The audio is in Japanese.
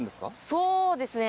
そうですね